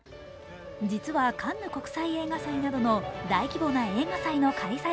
実はカンヌ国際映画祭などの大規模な映画祭の開催